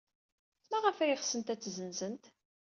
Maɣef ay ɣsent ad tt-ssenzent?